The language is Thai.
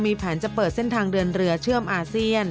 มีแผนจะเปิดเส้นทางเดินเรือเชื่อมอาเซียน